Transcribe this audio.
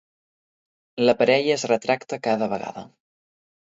La parella es retracta cada vegada.